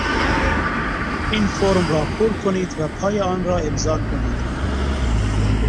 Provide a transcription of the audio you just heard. این فرم را پر کنید و پای آن را امضا کنید.